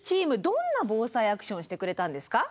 どんな「ＢＯＳＡＩアクション」してくれたんですか？